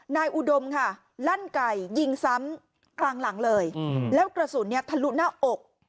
นายอุดมลั่นไก่ยิงซ้ำกลางหลังเลยแล้วกระสุนทะลุหน้าอก